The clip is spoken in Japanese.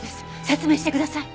説明してください！